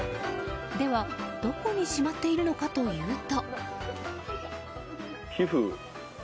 では、どこにしまっているのかというと。